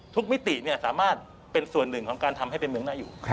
มิติสามารถเป็นส่วนหนึ่งของการทำให้เป็นเมืองหน้าอยู่